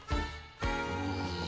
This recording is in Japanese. うん。